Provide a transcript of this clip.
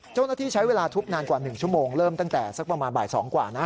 เจ้าหน้าที่ใช้เวลาทุบนานกว่า๑ชั่วโมงเริ่มตั้งแต่สักประมาณบ่าย๒กว่านะ